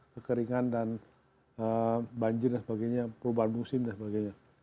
kekeringan dan banjir dan sebagainya perubahan musim dan sebagainya